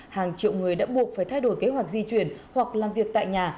hàng triệu người đã buộc phải thay đổi kế hoạch di chuyển hoặc làm việc tại nhà